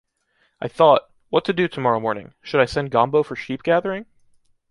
I thought, what to do tomorrow morning, should I send Gombo for sheep gathering.